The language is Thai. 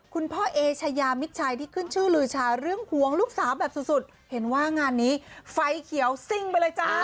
พ่อเอชายามิดชัยที่ขึ้นชื่อลือชาเรื่องหวงลูกสาวแบบสุดเห็นว่างานนี้ไฟเขียวซิ่งไปเลยจ้า